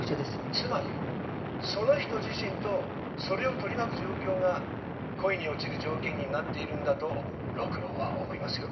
つまりその人自身とそれを取り巻く状況が恋に落ちる条件になっているんだと六郎は思いますよ。